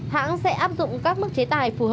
hãng sẽ áp dụng các mức chế tài